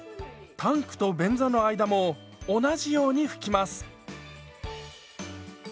タンクと便座の間も同じように拭きます。